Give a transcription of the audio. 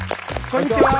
こんにちは！